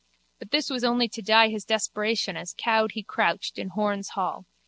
But this was only to dye his desperation as cowed he crouched in Horne's hall.